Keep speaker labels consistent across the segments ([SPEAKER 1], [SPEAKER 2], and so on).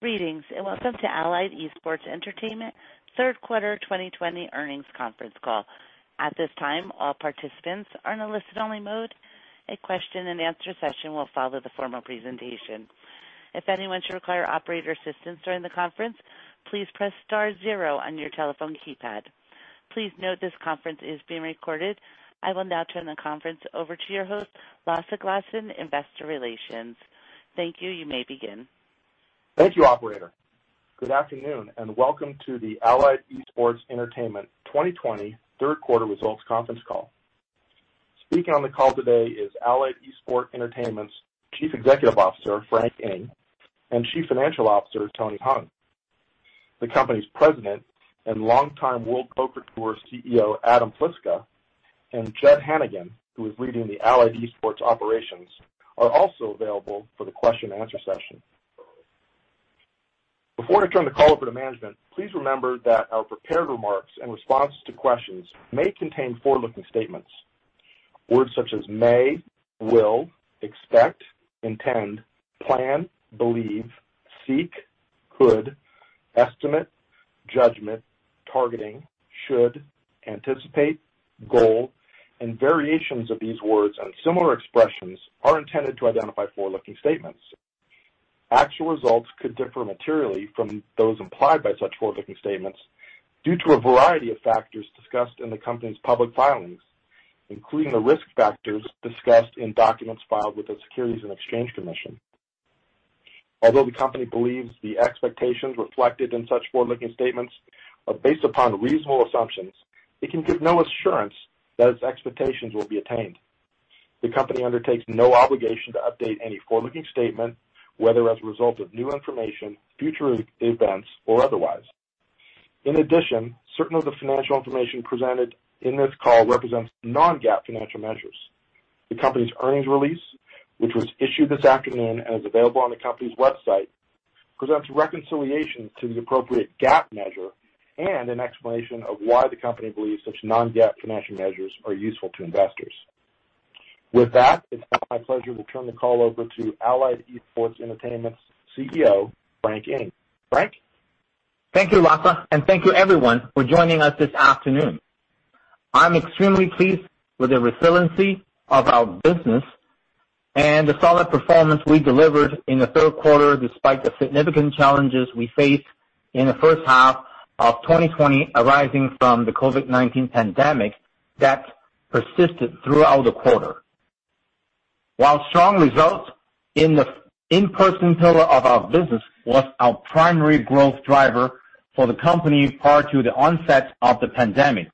[SPEAKER 1] Greetings, welcome to Allied Esports Entertainment Q3 2020 earnings conference call. I will now turn the conference over to your host, Lasse Glassen, Investor Relations. Thank you. You may begin.
[SPEAKER 2] Thank you, operator. Good afternoon, welcome to the Allied Esports Entertainment 2020 Q3 results conference call. Speaking on the call today is Allied Esports Entertainment's Chief Executive Officer, Frank Ng, and Chief Financial Officer, Tony Hung. The company's President and longtime World Poker Tour CEO, Adam Pliska, and Jud Hannigan, who is leading the Allied Esports operations, are also available for the question and answer session. Before I turn the call over to management, please remember that our prepared remarks in response to questions may contain forward-looking statements. Words such as may, will, expect, intend, plan, believe, seek, could, estimate, judgment, targeting, should, anticipate, goal, and variations of these words and similar expressions are intended to identify forward-looking statements. Actual results could differ materially from those implied by such forward-looking statements due to a variety of factors discussed in the company's public filings, including the risk factors discussed in documents filed with the Securities and Exchange Commission. Although the company believes the expectations reflected in such forward-looking statements are based upon reasonable assumptions, it can give no assurance that its expectations will be attained. The company undertakes no obligation to update any forward-looking statement, whether as a result of new information, future events, or otherwise. In addition, certain of the financial information presented in this call represents non-GAAP financial measures. The company's earnings release, which was issued this afternoon and is available on the company's website, presents reconciliation to the appropriate GAAP measure and an explanation of why the company believes such non-GAAP financial measures are useful to investors. With that, it's now my pleasure to turn the call over to Allied Esports Entertainment's CEO, Frank Ng. Frank?
[SPEAKER 3] Thank you, Lasse, and thank you everyone for joining us this afternoon. I'm extremely pleased with the resiliency of our business and the solid performance we delivered in the Q3, despite the significant challenges we faced in the H1 of 2020 arising from the COVID-19 pandemic that persisted throughout the quarter. While strong results in the in-person pillar of our business was our primary growth driver for the company prior to the onset of the pandemic,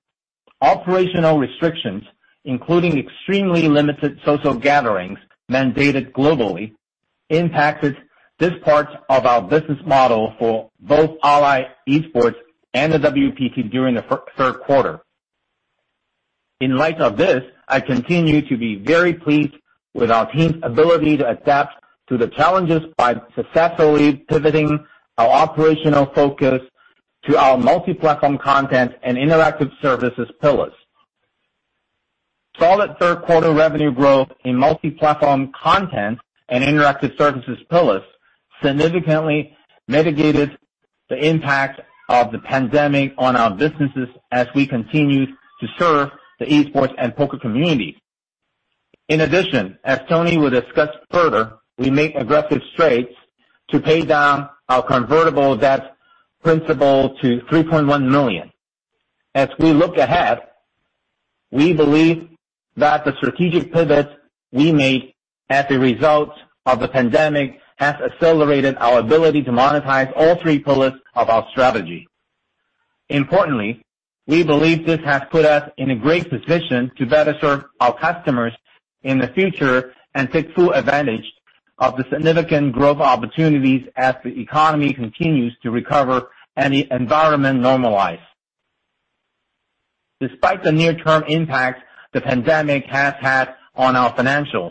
[SPEAKER 3] operational restrictions, including extremely limited social gatherings mandated globally, impacted this part of our business model for both Allied Esports and the WPT during the Q3. In light of this, I continue to be very pleased with our team's ability to adapt to the challenges by successfully pivoting our operational focus to our multi-platform content and interactive services pillars. Solid Q3 revenue growth in multi-platform content and interactive services pillars significantly mitigated the impact of the pandemic on our businesses as we continued to serve the esports and poker community. In addition, as Tony will discuss further, we made aggressive strides to pay down our convertible debt principal to $3.1 million. As we look ahead, we believe that the strategic pivots we made as a result of the pandemic have accelerated our ability to monetize all three pillars of our strategy. Importantly, we believe this has put us in a great position to better serve our customers in the future and take full advantage of the significant growth opportunities as the economy continues to recover and the environment normalize. Despite the near-term impact the pandemic has had on our financials,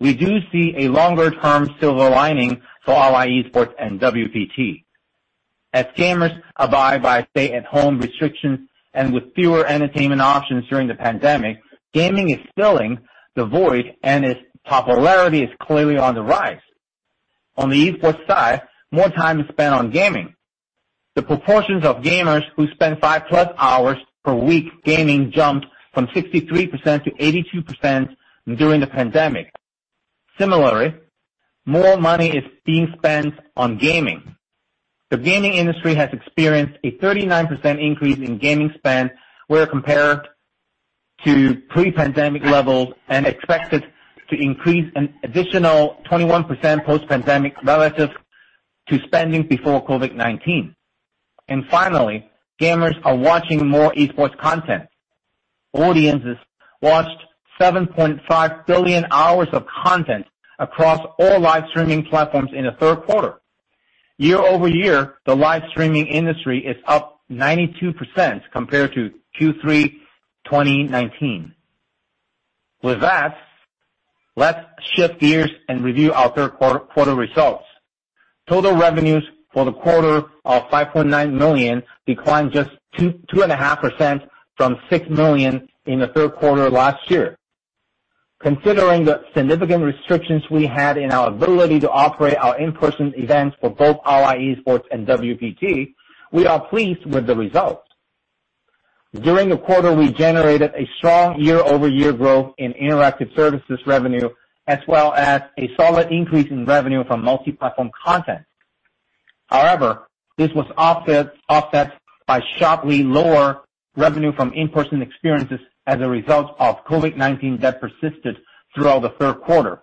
[SPEAKER 3] we do see a longer-term silver lining for Allied Esports and WPT. As gamers abide by stay-at-home restrictions and with fewer entertainment options during the pandemic, gaming is filling the void, and its popularity is clearly on the rise. On the esports side, more time is spent on gaming. The proportions of gamers who spend five-plus hours per week gaming jumped from 63%-82% during the pandemic. Similarly, more money is being spent on gaming. The gaming industry has experienced a 39% increase in gaming spend where compared to pre-pandemic levels and expected to increase an additional 21% post-pandemic relative to spending before COVID-19. Finally, gamers are watching more esports content. Audiences watched 7.5 billion hours of content across all live streaming platforms in the Q3. Year-over-year, the live streaming industry is up 92% compared to Q3 2019. With that, let's shift gears and review our Q3 results. Total revenues for the quarter of $5.9 million declined just 2.5% from $6 million in the Q3 last year. Considering the significant restrictions we had in our ability to operate our in-person events for both Allied Esports and WPT, we are pleased with the results. During the quarter, we generated a strong year-over-year growth in interactive services revenue, as well as a solid increase in revenue from multi-platform content. This was offset by sharply lower revenue from in-person experiences as a result of COVID-19 that persisted throughout the Q3.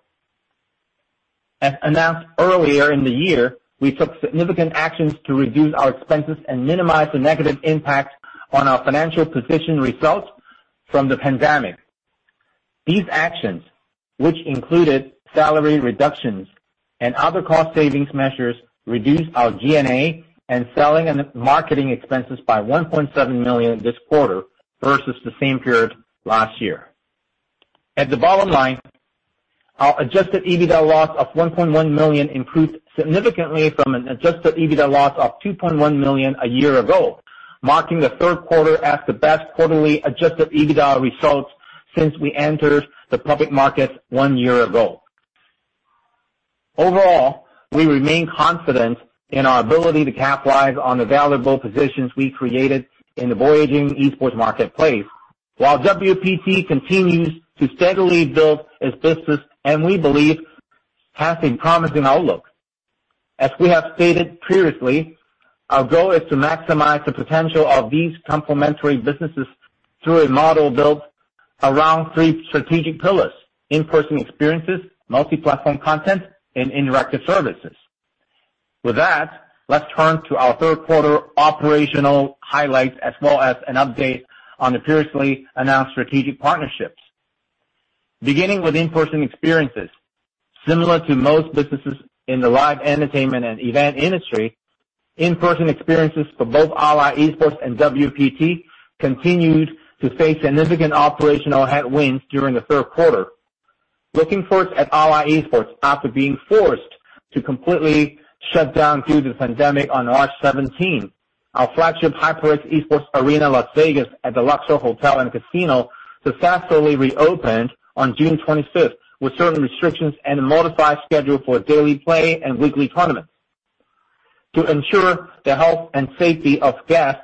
[SPEAKER 3] As announced earlier in the year, we took significant actions to reduce our expenses and minimize the negative impact on our financial position results from the pandemic. These actions, which included salary reductions and other cost-savings measures, reduced our G&A and selling and marketing expenses by $1.7 million this quarter versus the same period last year. At the bottom line, our adjusted EBITDA loss of $1.1 million improved significantly from an adjusted EBITDA loss of $2.1 million a year ago, marking the Q3 as the best quarterly adjusted EBITDA results since we entered the public market one year ago. Overall, we remain confident in our ability to capitalize on the valuable positions we created in the burgeoning esports marketplace while WPT continues to steadily build its business, and we believe has a promising outlook. As we have stated previously, our goal is to maximize the potential of these complementary businesses through a model built around three strategic pillars: in-person experiences, multi-platform content, and interactive services. With that, let's turn to our Q3 operational highlights as well as an update on the previously announced strategic partnerships. Beginning with in-person experiences, similar to most businesses in the live entertainment and event industry, in-person experiences for both Allied Esports and WPT continued to face significant operational headwinds during the Q3. Looking first at Allied Esports, after being forced to completely shut down due to the pandemic on March 17th, our flagship HyperX Esports Arena Las Vegas at the Luxor Hotel & Casino successfully reopened on June 25th, with certain restrictions and a modified schedule for daily play and weekly tournaments. To ensure the health and safety of guests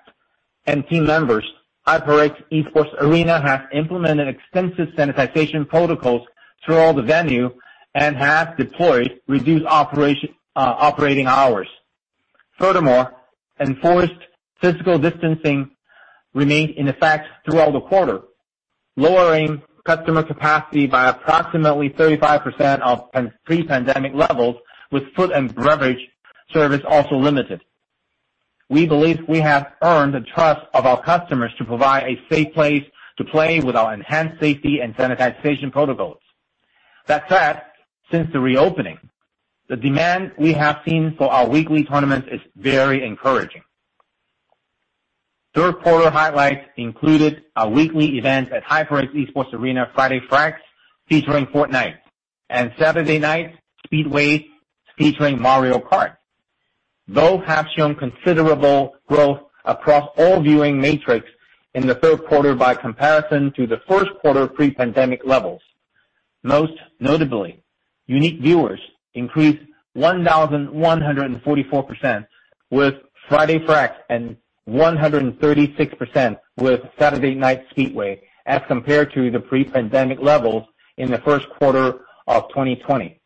[SPEAKER 3] and team members, HyperX Esports Arena has implemented extensive sanitization protocols throughout the venue and has deployed reduced operating hours. Furthermore, enforced physical distancing remained in effect throughout the quarter, lowering customer capacity by approximately 35% of pre-pandemic levels, with food and beverage service also limited. We believe we have earned the trust of our customers to provide a safe place to play with our enhanced safety and sanitization protocols. That said, since the reopening, the demand we have seen for our weekly tournaments is very encouraging. Q3 highlights included our weekly events at HyperX Esports Arena, Friday Frags featuring Fortnite, and Saturday Night Speedway featuring Mario Kart. Both have shown considerable growth across all viewing metrics in the Q3 by comparison to the Q1 pre-pandemic levels. Most notably, unique viewers increased 1,144% with Friday Frags and 136% with Saturday Night Speedway as compared to the pre-pandemic levels in the Q1 of 2020.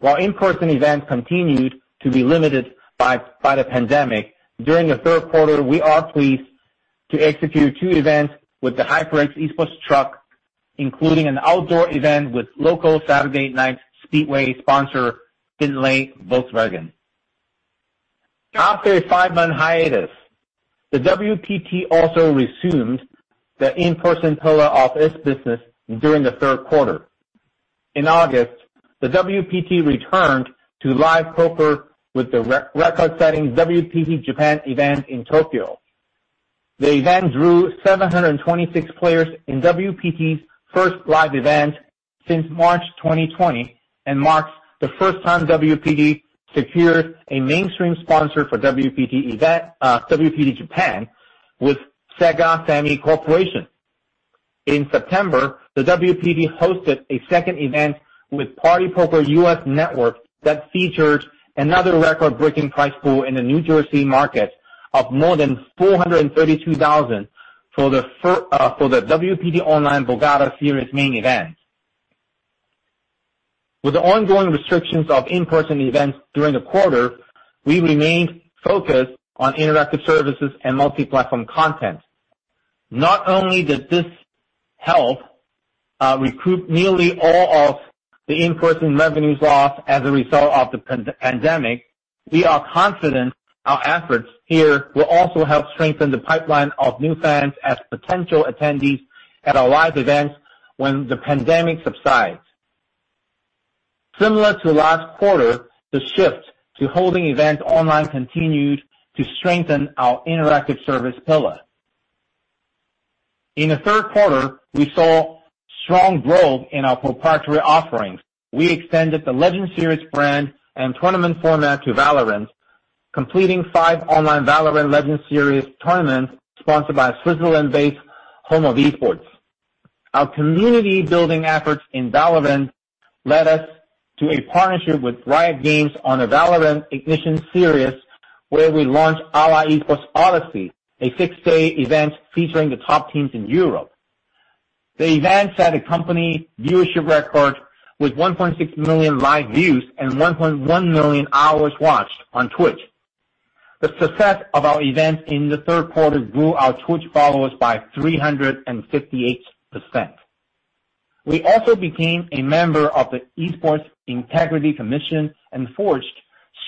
[SPEAKER 3] While in-person events continued to be limited by the pandemic, during the Q3, we are pleased to execute two events with the HyperX Esports Truck, including an outdoor event with local Saturday Night Speedway sponsor, Findlay Volkswagen. After a five-month hiatus, the WPT also resumed the in-person pillar of its business during the Q3. In August, the WPT returned to live poker with the record-setting WPT Japan event in Tokyo. The event drew 726 players in WPT's first live event since March 2020 and marks the first time WPT secured a mainstream sponsor for WPT Japan with Sega Sammy Corporation. In September, the WPT hosted a second event with PartyPoker U.S. Network that featured another record-breaking prize pool in the New Jersey market of more than $432,000 for the WPT Online Borgata Series main event. With the ongoing restrictions of in-person events during the quarter, we remained focused on interactive services and multi-platform content. Not only did this help recruit nearly all of the in-person revenues lost as a result of the pandemic, we are confident our efforts here will also help strengthen the pipeline of new fans as potential attendees at our live events when the pandemic subsides. Similar to last quarter, the shift to holding events online continued to strengthen our interactive service pillar. In the Q3, we saw strong growth in our proprietary offerings. We extended the Legend Series brand and tournament format to VALORANT, completing five online VALORANT Legends series tournaments sponsored by Switzerland-based Home of Esports. Our community building efforts in VALORANT led us to a partnership with Riot Games on a VALORANT Ignition Series, where we launched Allied Esports Odyssey, a six-day event featuring the top teams in Europe. The event set a company viewership record with 1.6 million live views and 1.1 million hours watched on Twitch. The success of our events in the Q3 grew our Twitch followers by 358%. We also became a member of the Esports Integrity Commission and forged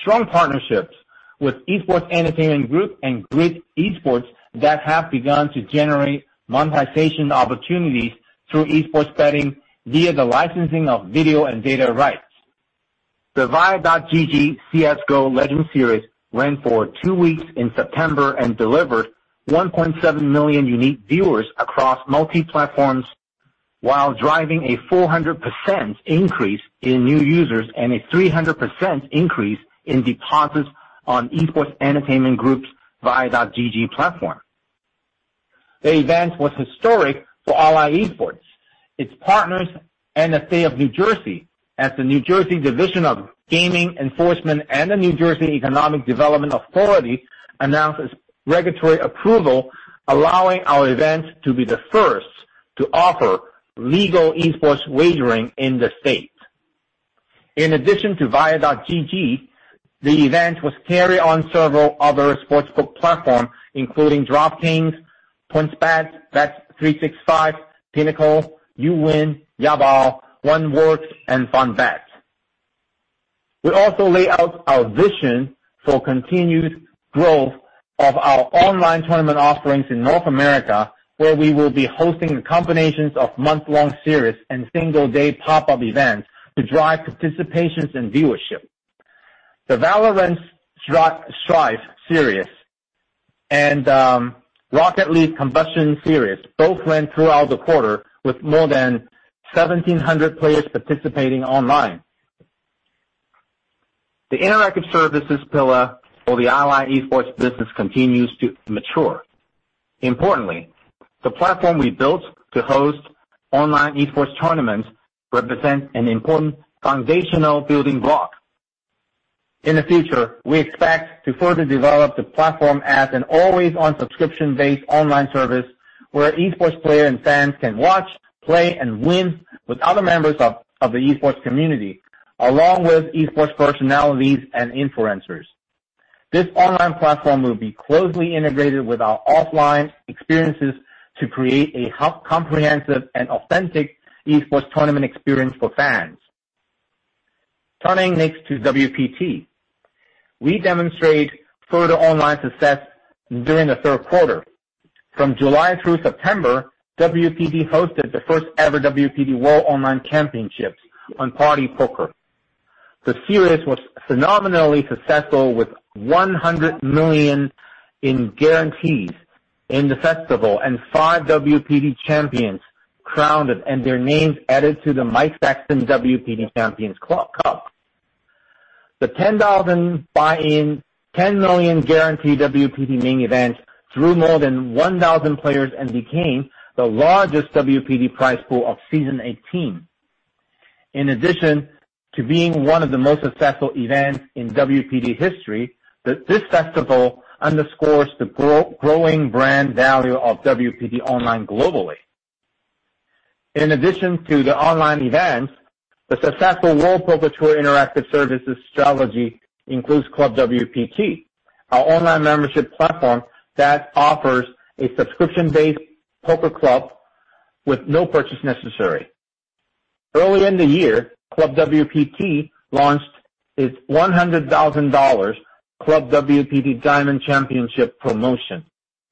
[SPEAKER 3] strong partnerships with Esports Entertainment Group and GRID Esports that have begun to generate monetization opportunities through esports betting via the licensing of video and data rights. The Vie.gg CS:GO Legend Series ran for two weeks in September and delivered 1.7 million unique viewers across multi-platforms while driving a 400% increase in new users and a 300% increase in deposits on Esports Entertainment Group's Vie.gg platform. The event was historic for Allied Esports, its partners, and the state of New Jersey, as the New Jersey Division of Gaming Enforcement and the New Jersey Economic Development Authority announced its regulatory approval, allowing our event to be the first to offer legal esports wagering in the state. In addition to Vie.gg, the event was carried on several other sportsbook platforms, including DraftKings, PointsBet, Bet365, Pinnacle, YouWin, Yabo, ONEworks and FunBet. We also lay out our vision for continued growth of our online tournament offerings in North America, where we will be hosting the combinations of month-long series and single day pop-up events to drive participation and viewership. The VALORANT Strafe Series and Rocket League Combustion Series both ran throughout the quarter with more than 1,700 players participating online. The interactive services pillar for the Allied Esports business continues to mature. Importantly, the platform we built to host online esports tournaments represents an important foundational building block. In the future, we expect to further develop the platform as an always-on subscription-based online service, where esports players and fans can watch, play, and win with other members of the esports community, along with esports personalities and influencers. This online platform will be closely integrated with our offline experiences to create a comprehensive and authentic esports tournament experience for fans. Turning next to WPT. We demonstrate further online success during the Q3. From July through September, WPT hosted the first ever WPT World Online Championships on partypoker. The series was phenomenally successful with $100 million in guarantees in the festival, and five WPT champions crowned and their names added to the Mike Sexton WPT Champions Cup. The $10,000 buy-in, $10 million guarantee WPT main event drew more than 1,000 players and became the largest WPT prize pool of Season XVIII. In addition to being one of the most successful events in WPT history, this festival underscores the growing brand value of WPT Online globally. In addition to the online events, the successful World Poker Tour interactive services strategy includes ClubWPT, our online membership platform that offers a subscription-based poker club with no purchase necessary. Early in the year, ClubWPT launched its $100,000 ClubWPT Diamond Championship promotion,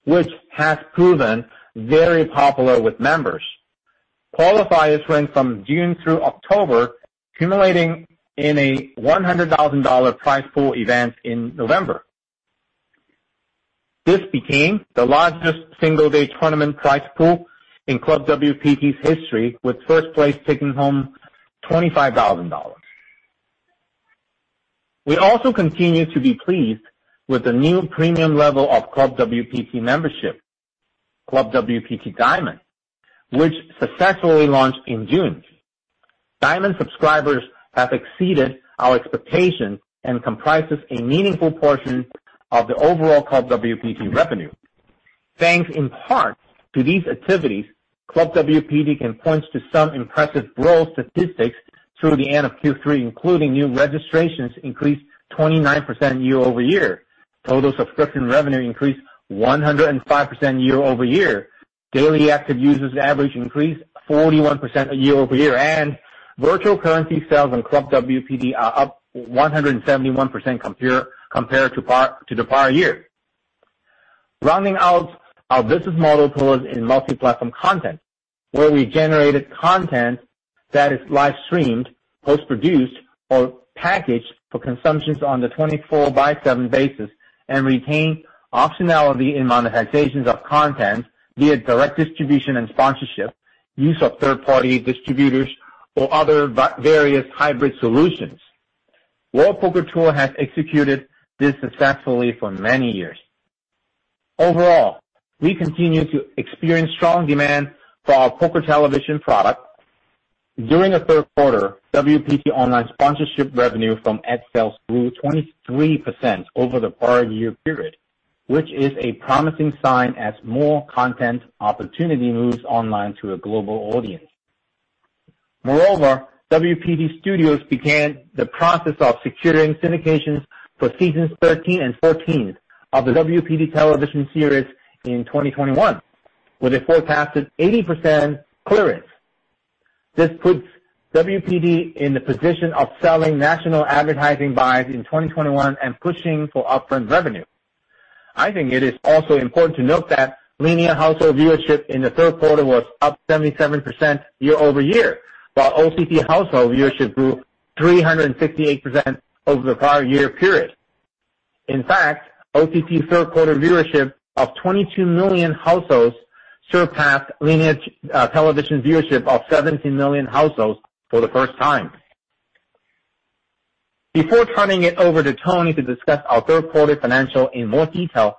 [SPEAKER 3] which has proven very popular with members. Qualifiers ran from June through October, culminating in a $100,000 prize pool event in November. This became the largest single-day tournament prize pool in ClubWPT's history, with first place taking home $25,000. We also continue to be pleased with the new premium level of ClubWPT membership, ClubWPT Diamond, which successfully launched in June. Diamond subscribers have exceeded our expectations and comprises a meaningful portion of the overall ClubWPT revenue. Thanks in part to these activities, ClubWPT can point to some impressive growth statistics through the end of Q3, including new registrations increased 29% year-over-year, total subscription revenue increased 105% year-over-year, daily active users average increase 41% year-over-year, and virtual currency sales on ClubWPT are up 171% compared to the prior year. Rounding out our business model pillars in multi-platform content, where we generated content that is live-streamed, post-produced, or packaged for consumption on the 24/7 basis and retain optionality in monetizations of content via direct distribution and sponsorship, use of third-party distributors or other various hybrid solutions. World Poker Tour has executed this successfully for many years. Overall, we continue to experience strong demand for our poker television product. During the Q3, WPT online sponsorship revenue from ad sales grew 23% over the prior year period, which is a promising sign as more content opportunity moves online to a global audience. WPT Studios began the process of securing syndications for seasons 13 and 14 of the WPT television series in 2021, with a forecasted 80% clearance. This puts WPT in the position of selling national advertising buys in 2021 and pushing for upfront revenue. I think it is also important to note that linear household viewership in the Q3 was up 77% year over year, while OTT household viewership grew 368% over the prior year period. OTT Q3 viewership of 22 million households surpassed linear television viewership of 17 million households for the first time. Before turning it over to Tony to discuss our Q3 financial in more detail,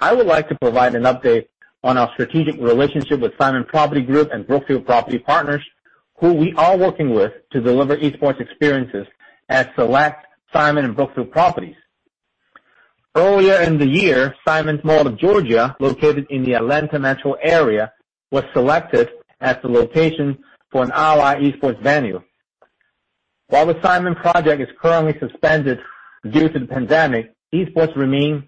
[SPEAKER 3] I would like to provide an update on our strategic relationship with Simon Property Group and Brookfield Property Partners, who we are working with to deliver esports experiences at select Simon and Brookfield properties. Earlier in the year, Simon's Mall of Georgia, located in the Atlanta metro area, was selected as the location for an Allied Esports venue. While the Simon project is currently suspended due to the pandemic, esports remains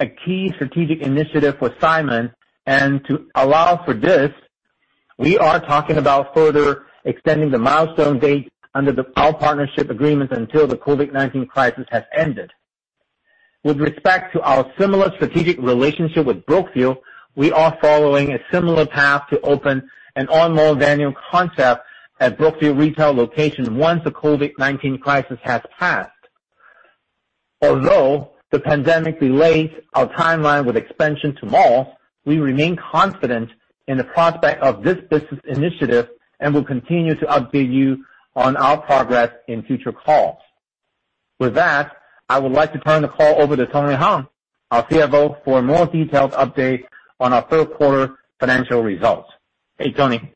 [SPEAKER 3] a key strategic initiative for Simon. To allow for this, we are talking about further extending the milestone date under all partnership agreements until the COVID-19 crisis has ended. With respect to our similar strategic relationship with Brookfield, we are following a similar path to open an online venue concept at Brookfield retail locations once the COVID-19 crisis has passed. Although the pandemic delays our timeline with expansion to malls, we remain confident in the prospect of this business initiative and will continue to update you on our progress in future calls. With that, I would like to turn the call over to Tony Hung, our CFO, for a more detailed update on our Q3 financial results. Hey, Tony.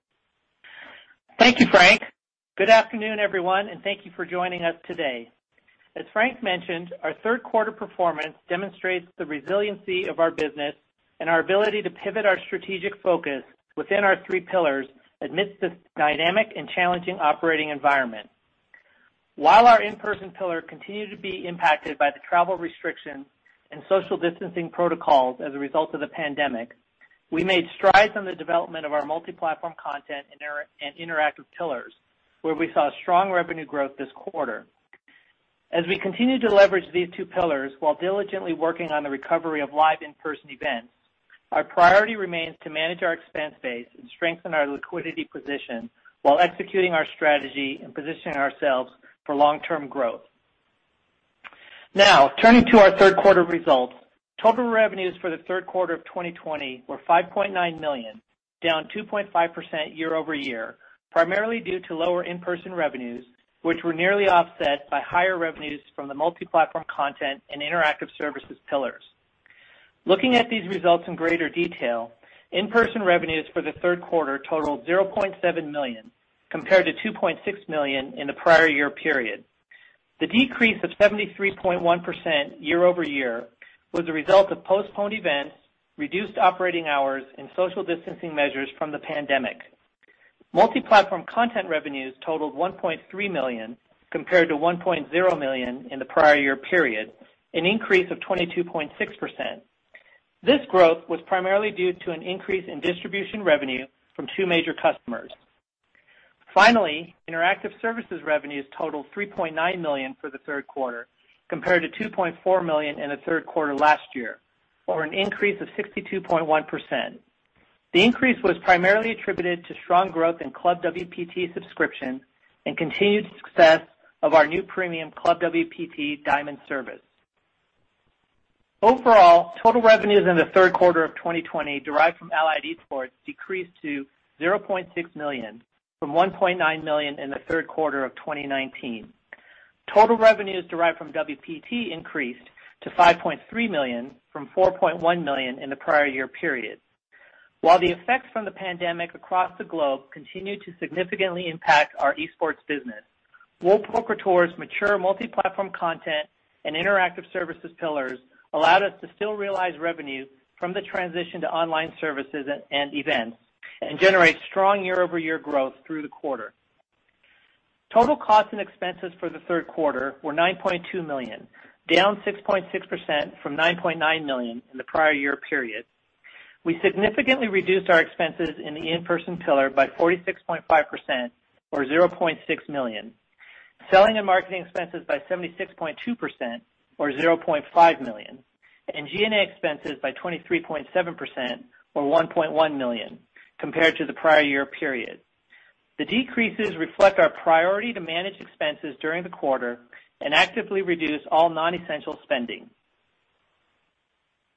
[SPEAKER 4] Thank you, Frank. Good afternoon, everyone, and thank you for joining us today. As Frank mentioned, our Q3 performance demonstrates the resiliency of our business and our ability to pivot our strategic focus within our three pillars amidst this dynamic and challenging operating environment. While our in-person pillar continued to be impacted by the travel restrictions and social distancing protocols as a result of the pandemic, we made strides on the development of our multi-platform content and interactive pillars, where we saw strong revenue growth this quarter. As we continue to leverage these two pillars while diligently working on the recovery of live in-person events, our priority remains to manage our expense base and strengthen our liquidity position while executing our strategy and positioning ourselves for long-term growth. Now, turning to our Q3 results. Total revenues for the Q3 of 2020 were $5.9 million, down 2.5% year-over-year, primarily due to lower in-person revenues, which were nearly offset by higher revenues from the Multi-platform content and Interactive services pillars. Looking at these results in greater detail, in-person revenues for the Q3 totaled $0.7 million, compared to $2.6 million in the prior year period. The decrease of 73.1% year-over-year was a result of postponed events, reduced operating hours, and social distancing measures from the pandemic. Multi-platform content revenues totaled $1.3 million, compared to $1.0 million in the prior year period, an increase of 22.6%. This growth was primarily due to an increase in distribution revenue from two major customers. Finally, Interactive services revenues totaled $3.9 million for the Q3, compared to $2.4 million in the Q3 last year, or an increase of 62.1%. The increase was primarily attributed to strong growth in ClubWPT subscriptions and continued success of our new premium ClubWPT Diamond service. Overall, total revenues in the Q3 of 2020 derived from Allied Esports decreased to $0.6 million, from $1.9 million in the Q3 of 2019. Total revenues derived from WPT increased to $5.3 million from $4.1 million in the prior year period. While the effects from the pandemic across the globe continue to significantly impact our esports business, World Poker Tour's mature multi-platform content and interactive services pillars allowed us to still realize revenue from the transition to online services and events and generate strong year-over-year growth through the quarter. Total costs and expenses for the Q3 were $9.2 million, down 6.6% from $9.9 million in the prior year period. We significantly reduced our expenses in the in-person pillar by 46.5%, or $0.6 million, selling and marketing expenses by 76.2%, or $0.5 million, and G&A expenses by 23.7%, or $1.1 million, compared to the prior year period. The decreases reflect our priority to manage expenses during the quarter and actively reduce all non-essential spending.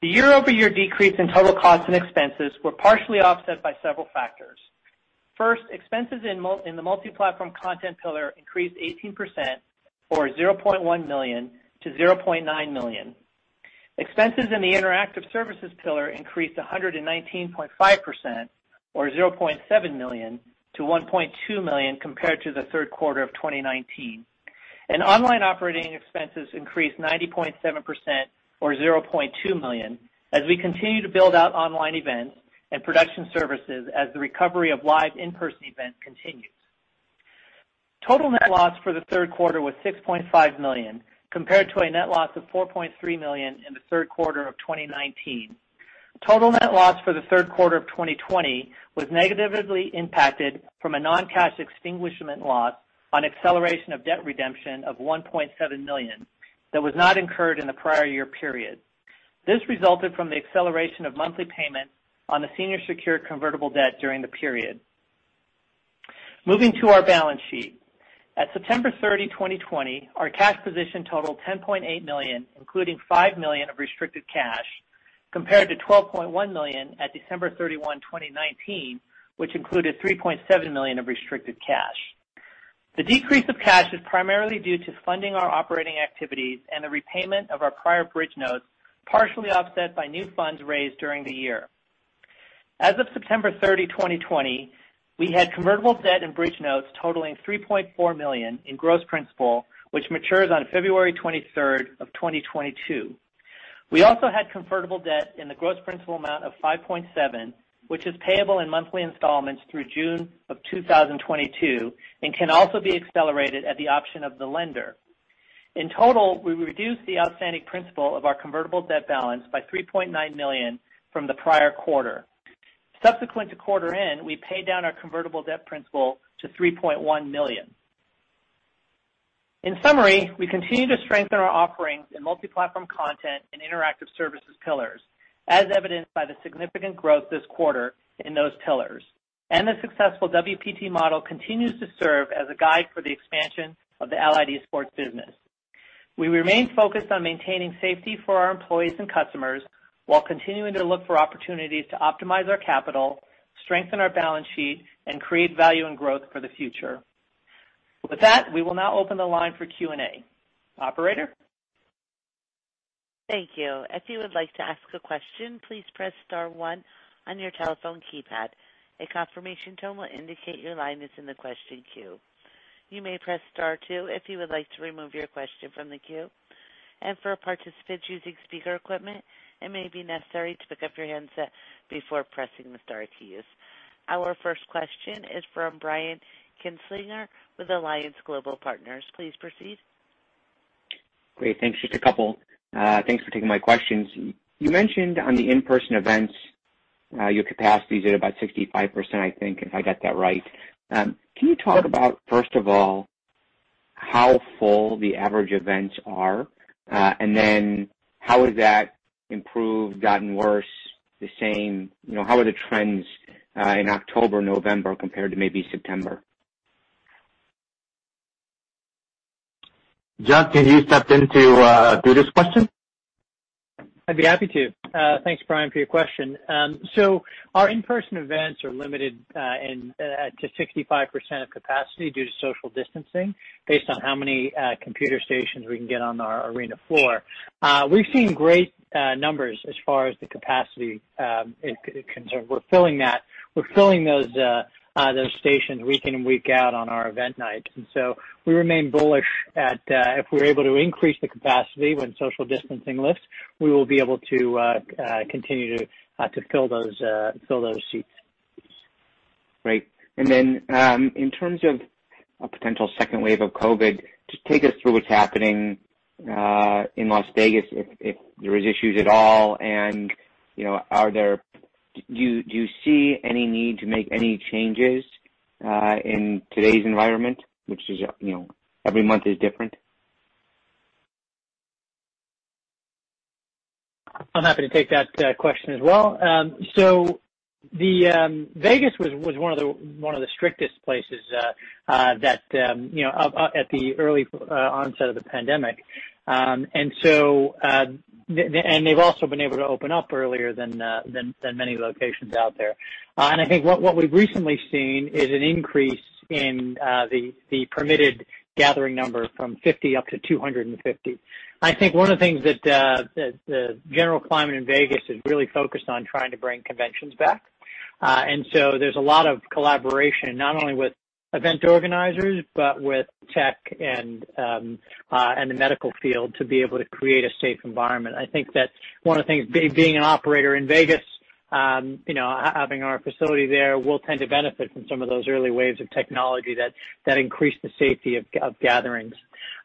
[SPEAKER 4] The year-over-year decrease in total costs and expenses were partially offset by several factors. First, expenses in the multi-platform content pillar increased 18%, or $0.1 million to $0.9 million. Expenses in the interactive services pillar increased 119.5%, or $0.7 million to $1.2 million compared to the Q3 of 2019. Online operating expenses increased 90.7%, or $0.2 million, as we continue to build out online events and production services as the recovery of live in-person events continues. Total net loss for the Q3 was $6.5 million compared to a net loss of $4.3 million in the Q3 of 2019. Total net loss for the Q3 of 2020 was negatively impacted from a non-cash extinguishment loss on acceleration of debt redemption of $1.7 million that was not incurred in the prior year period. This resulted from the acceleration of monthly payments on the senior secured convertible debt during the period. Moving to our balance sheet. At September 30, 2020, our cash position totaled $10.8 million, including $5 million of restricted cash, compared to $12.1 million at December 31, 2019, which included $3.7 million of restricted cash. The decrease of cash is primarily due to funding our operating activities and the repayment of our prior bridge notes, partially offset by new funds raised during the year. As of September 30, 2020, we had convertible debt and bridge notes totaling $3.4 million in gross principal, which matures on February 23rd of 2022. We also had convertible debt in the gross principal amount of $5.7, which is payable in monthly installments through June of 2022 and can also be accelerated at the option of the lender. In total, we reduced the outstanding principal of our convertible debt balance by $3.9 million from the prior quarter. Subsequent to quarter end, we paid down our convertible debt principal to $3.1 million. In summary, we continue to strengthen our offerings in multi-platform content and interactive services pillars, as evidenced by the significant growth this quarter in those pillars. The successful WPT model continues to serve as a guide for the expansion of the Allied Esports business. We remain focused on maintaining safety for our employees and customers while continuing to look for opportunities to optimize our capital, strengthen our balance sheet and create value and growth for the future. With that, we will now open the line for Q&A. Operator?
[SPEAKER 1] Thank you. If you would like to ask a question, please press star one on your telephone keypad. A confirmation tone will indicate your line is in the question queue. You may press star two if you would like to remove your question from the queue. For participants using speaker equipment, it may be necessary to pick up your handset before pressing the star keys. Our first question is from Brian Kinstlinger with Alliance Global Partners. Please proceed.
[SPEAKER 5] Great, thanks. Just a couple. Thanks for taking my questions. You mentioned on the in-person events, your capacity is at about 65%, I think, if I got that right. Can you talk about, first of all, how full the average events are? How has that improved, gotten worse, the same? How are the trends in October, November, compared to maybe September?
[SPEAKER 3] Jud, can you step in to do this question?
[SPEAKER 6] I'd be happy to. Thanks, Brian, for your question. Our in-person events are limited to 65% of capacity due to social distancing based on how many computer stations we can get on our arena floor. We've seen great numbers as far as the capacity is concerned. We're filling those stations week in and week out on our event nights. We remain bullish that if we're able to increase the capacity when social distancing lifts, we will be able to continue to fill those seats.
[SPEAKER 5] Great. In terms of a potential second wave of COVID, just take us through what's happening in Las Vegas, if there is issues at all, and do you see any need to make any changes in today's environment, which is every month is different?
[SPEAKER 6] I'm happy to take that question as well. Vegas was one of the strictest places at the early onset of the pandemic. They've also been able to open up earlier than many locations out there. I think what we've recently seen is an increase in the permitted gathering number from 50 up to 250. I think one of the things that the general climate in Vegas is really focused on trying to bring conventions back. There's a lot of collaboration, not only with event organizers, but with tech and the medical field to be able to create a safe environment. I think that one of the things, being an operator in Vegas, having our facility there, we'll tend to benefit from some of those early waves of technology that increase the safety of gatherings.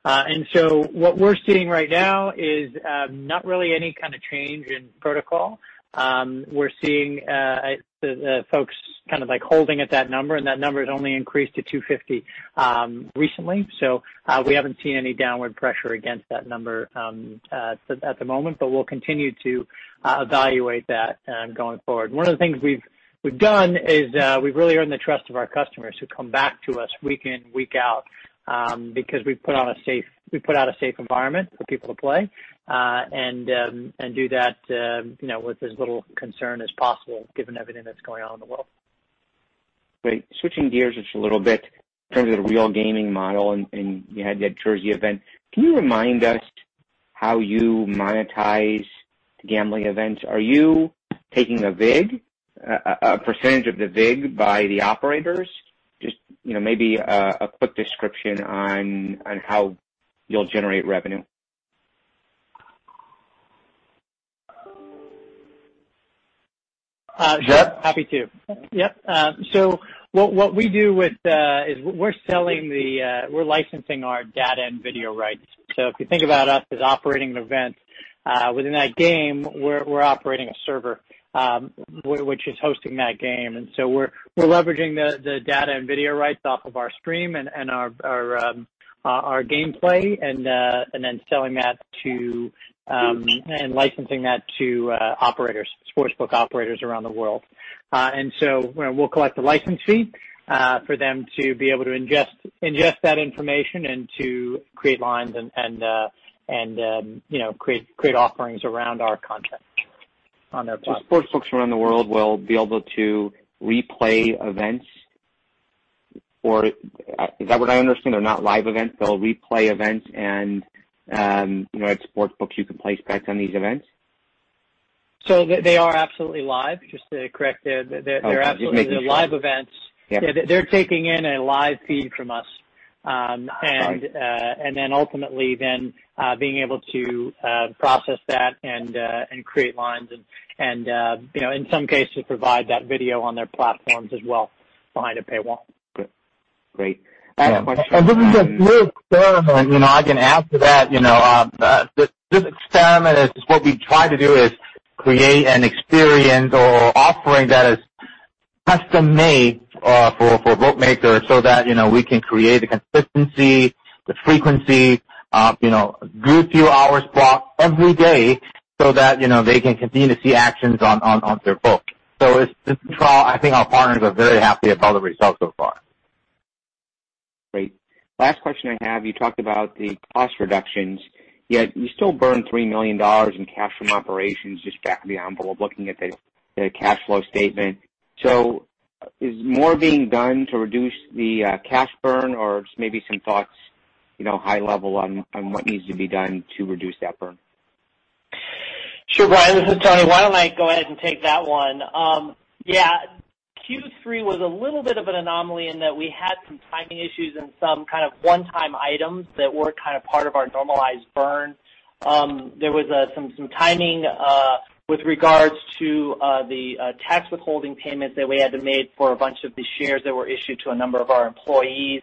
[SPEAKER 6] What we're seeing right now is not really any kind of change in protocol. We're seeing the folks kind of holding at that number, and that number has only increased to 250 recently. We haven't seen any downward pressure against that number at the moment, but we'll continue to evaluate that going forward. One of the things we've done is we've really earned the trust of our customers who come back to us week in, week out, because we put out a safe environment for people to play, and do that with as little concern as possible given everything that's going on in the world.
[SPEAKER 5] Great. Switching gears just a little bit in terms of the real money gaming model, and you had that New Jersey event. Can you remind us how you monetize gambling events? Are you taking a vig, a percentage of the vig by the operators? Just maybe a quick description on how you'll generate revenue. Jud?
[SPEAKER 6] Happy to. Yep. What we're licensing our data and video rights. If you think about us as operating an event within that game, we're operating a server, which is hosting that game. We're leveraging the data and video rights off of our stream and our gameplay and then licensing that to sportsbook operators around the world. We'll collect a license fee for them to be able to ingest that information and to create lines and create offerings around our content on their platform.
[SPEAKER 5] Sportsbooks around the world will be able to replay events or is that what I understand? They're not live events, they'll replay events and at sportsbooks, you can place bets on these events?
[SPEAKER 6] They are absolutely live, just to correct.
[SPEAKER 5] Okay. Just making sure.
[SPEAKER 6] They're absolutely live events.
[SPEAKER 5] Yep.
[SPEAKER 6] They're taking in a live feed from us.
[SPEAKER 5] I see.
[SPEAKER 6] Ultimately then, being able to process that and create lines and, in some cases, provide that video on their platforms as well behind a paywall.
[SPEAKER 5] Great. I have a question.
[SPEAKER 3] This is a real experiment, I can add to that. This experiment is what we try to do is create an experience or offering that is custom-made for bookmakers so that we can create the consistency, the frequency, a good few hours block every day so that they can continue to see actions on their book. I think our partners are very happy about the results so far.
[SPEAKER 5] Great. Last question I have, you talked about the cost reductions, yet you still burn $3 million in cash from operations, just back of the envelope looking at the cash flow statement. Is more being done to reduce the cash burn? Or just maybe some thoughts, high level, on what needs to be done to reduce that burn?
[SPEAKER 4] Sure, Brian, this is Tony. Why don't I go ahead and take that one? Yeah. Q3 was a little bit of an anomaly in that we had some timing issues and some kind of one-time items that were part of our normalized burn. There was some timing with regards to the tax withholding payments that we had to make for a bunch of the shares that were issued to a number of our employees.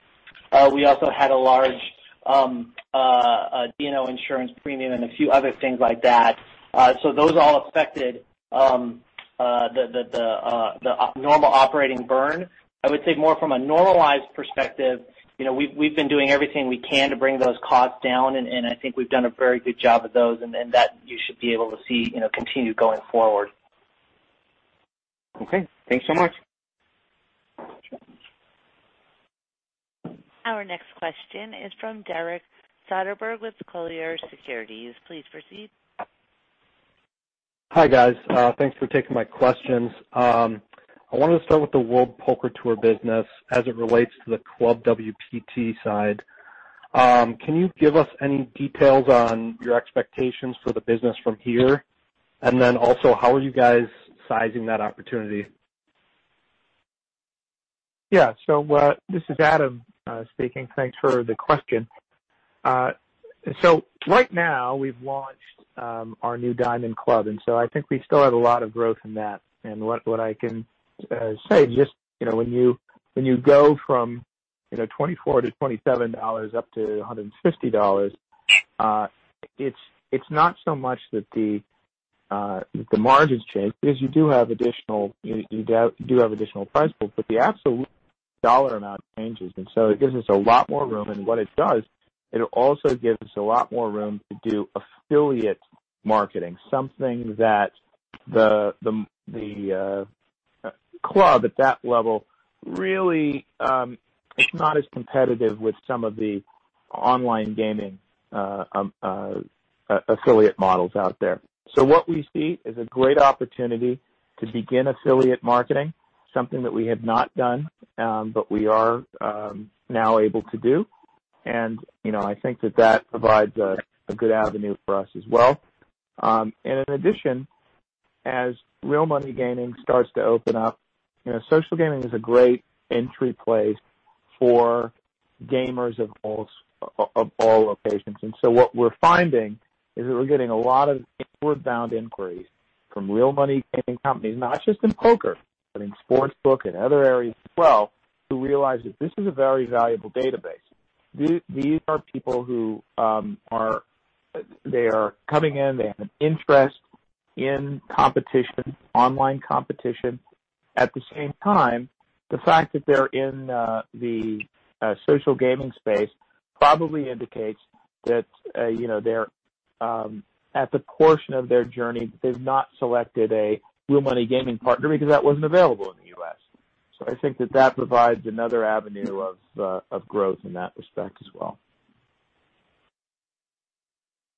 [SPEAKER 4] We also had a large D&O insurance premium and a few other things like that. Those all affected the normal operating burn. I would say more from a normalized perspective, we've been doing everything we can to bring those costs down, and I think we've done a very good job of those and that you should be able to see continue going forward.
[SPEAKER 5] Okay. Thanks so much.
[SPEAKER 1] Our next question is from Derek Soderberg with Colliers Securities. Please proceed.
[SPEAKER 7] Hi, guys. Thanks for taking my questions. I wanted to start with the World Poker Tour business as it relates to the ClubWPT side. Can you give us any details on your expectations for the business from here? Also, how are you guys sizing that opportunity?
[SPEAKER 8] This is Adam speaking. Thanks for the question. Right now, we've launched our new Diamond Club, I think we still have a lot of growth in that. What I can say, when you go from $24-$27 up to $150, it's not so much that the margins change because you do have additional price points, but the absolute dollar amount changes, it gives us a lot more room. What it does, it also gives us a lot more room to do affiliate marketing, something that the club at that level really is not as competitive with some of the online gaming affiliate models out there. What we see is a great opportunity to begin affiliate marketing, something that we have not done, but we are now able to do. I think that that provides a good avenue for us as well. In addition, as real money gaming starts to open up, social gaming is a great entry place for gamers of all locations. What we're finding is that we're getting a lot of inbound inquiries from real money gaming companies, not just in poker, but in sportsbook and other areas as well, who realize that this is a very valuable database. These are people who are coming in, they have an interest in competition, online competition. At the same time, the fact that they're in the social gaming space probably indicates that they're at the portion of their journey that they've not selected a real money gaming partner because that wasn't available in the U.S. I think that that provides another avenue of growth in that respect as well.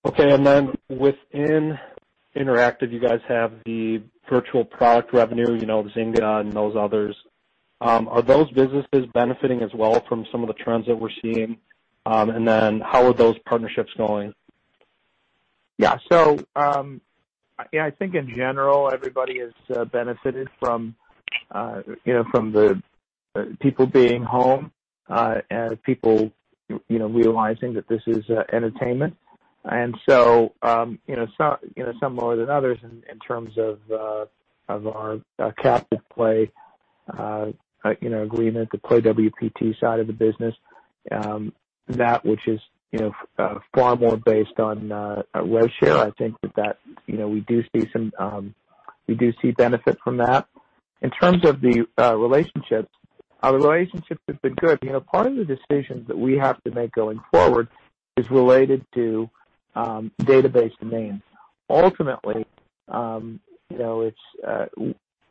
[SPEAKER 7] Okay. Within interactive, you guys have the virtual product revenue, the Zynga and those others. Are those businesses benefiting as well from some of the trends that we're seeing? How are those partnerships going?
[SPEAKER 8] I think in general, everybody has benefited from the people being home, and people realizing that this is entertainment. Some more than others in terms of our captive play agreement, the PlayWPT side of the business, that which is far more based on rev share. I think that we do see benefit from that. In terms of the relationships, our relationships have been good. Part of the decisions that we have to make going forward is related to database names. Ultimately,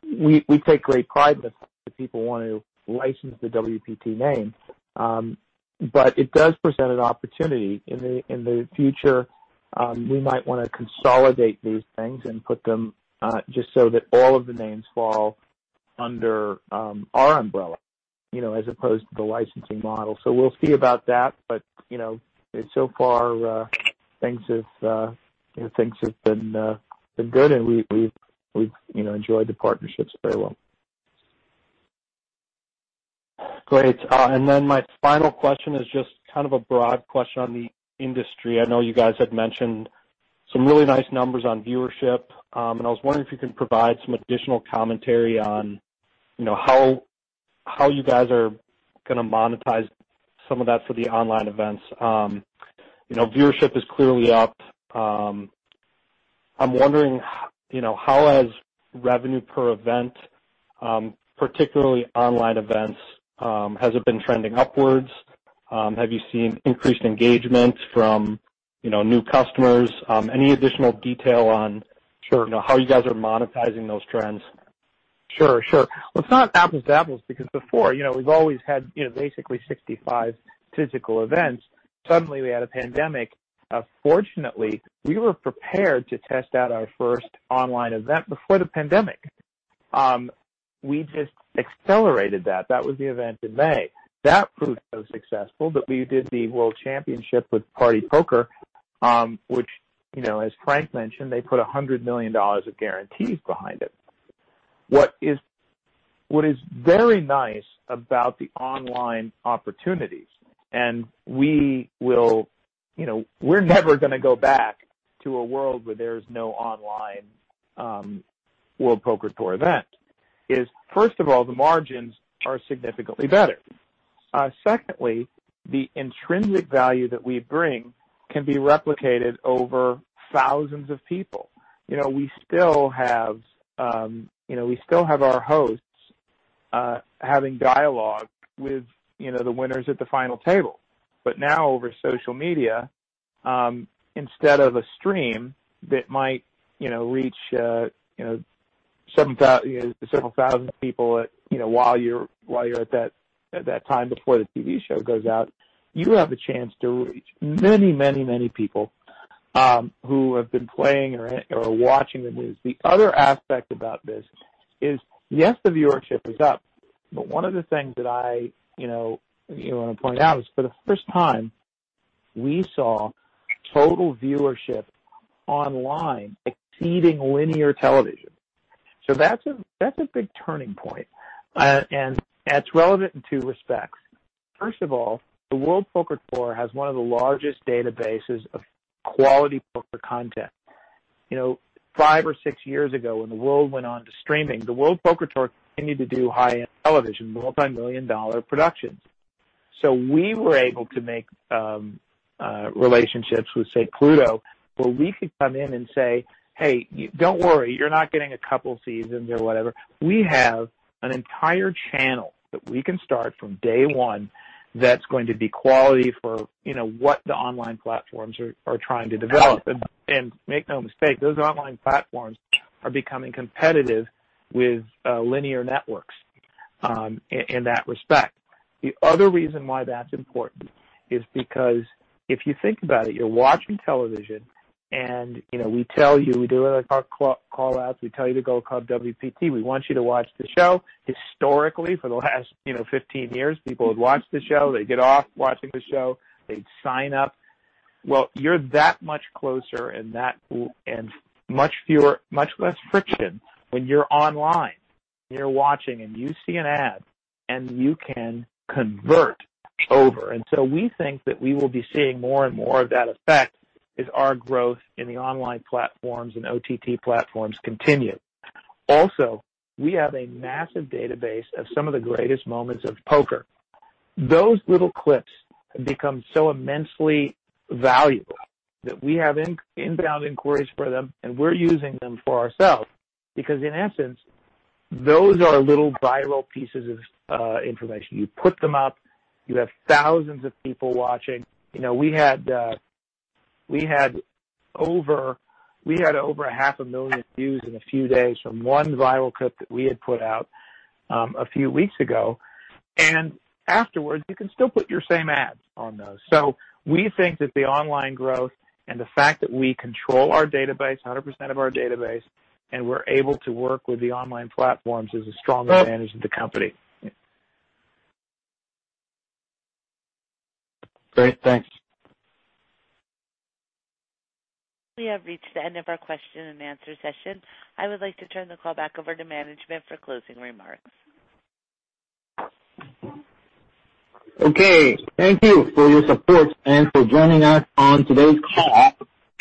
[SPEAKER 8] we take great pride that people want to license the WPT name. It does present an opportunity. In the future, we might want to consolidate these things and put them just so that all of the names fall under our umbrella as opposed to the licensing model. We'll see about that. So far things have been good and we've enjoyed the partnerships very well.
[SPEAKER 7] Great. My final question is just kind of a broad question on the industry. I know you guys had mentioned some really nice numbers on viewership. I was wondering if you can provide some additional commentary on how you guys are going to monetize some of that for the online events. Viewership is clearly up. I'm wondering, how has revenue per event, particularly online events, been trending upwards? Have you seen increased engagement from new customers?
[SPEAKER 8] Sure
[SPEAKER 7] How you guys are monetizing those trends?
[SPEAKER 8] Well, it's not apples to apples, because before we've always had basically 65 physical events. Suddenly we had a pandemic. Fortunately, we were prepared to test out our first online event before the pandemic. We just accelerated that. That was the event in May. That proved so successful that we did the World Championship with partypoker, which, as Frank mentioned, they put $100 million of guarantees behind it. What is very nice about the online opportunities, and we're never going to go back to a world where there's no online World Poker Tour event, is, first of all, the margins are significantly better. Secondly, the intrinsic value that we bring can be replicated over thousands of people. We still have our hosts having dialogue with the winners at the final table. Now over social media, instead of a stream that might reach several thousand people while you're at that time before the TV show goes out, you have a chance to reach many, many, many people who have been playing or watching the news. The other aspect about this is, yes, the viewership is up, but one of the things that I want to point out is for the first time, we saw total viewership online exceeding linear television. That's a big turning point. It's relevant in two respects. First of all, the World Poker Tour has one of the largest databases of quality poker content. Five or six years ago, when the world went on to streaming, the World Poker Tour continued to do high-end television, multimillion-dollar productions. We were able to make relationships with, say, Pluto, where we could come in and say, "Hey, don't worry, you're not getting a couple seasons or whatever. We have an entire channel that we can start from day one that's going to be quality for what the online platforms are trying to develop." Make no mistake, those online platforms are becoming competitive with linear networks in that respect. The other reason why that's important is because if you think about it, you're watching television and we tell you, we do our call-outs, we tell you to go ClubWPT, we want you to watch the show. Historically, for the last 15 years, people would watch the show, they'd get off watching the show, they'd sign up. Well, you're that much closer and much less friction when you're online, you're watching and you see an ad, and you can convert over. We think that we will be seeing more and more of that effect as our growth in the online platforms and OTT platforms continue. Also, we have a massive database of some of the greatest moments of poker. Those little clips have become so immensely valuable that we have inbound inquiries for them, and we're using them for ourselves, because in essence, those are little viral pieces of information. You put them up, you have thousands of people watching. We had over a half a million views in a few days from one viral clip that we had put out a few weeks ago. Afterwards, you can still put your same ads on those. We think that the online growth and the fact that we control our database, 100% of our database, and we're able to work with the online platforms is a strong advantage of the company.
[SPEAKER 7] Great. Thanks.
[SPEAKER 1] We have reached the end of our question and answer session. I would like to turn the call back over to management for closing remarks.
[SPEAKER 3] Okay, thank you for your support and for joining us on today's call.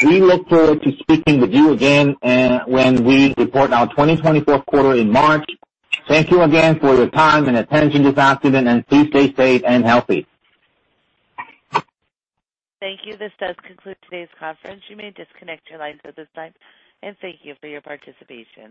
[SPEAKER 3] We look forward to speaking with you again when we report our Q4 in March. Thank you again for your time and attention this afternoon, and please stay safe and healthy.
[SPEAKER 1] Thank you. This does conclude today's conference. You may disconnect your lines at this time, and thank you for your participation.